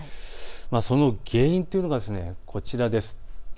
その原因というのがこちらです。